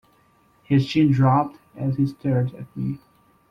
His chin dropped as he stared at me.